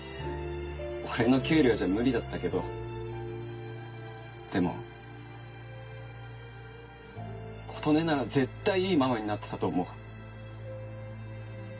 俺の給料じゃ無理だったけどでも琴音なら絶対いいママになってたと思う。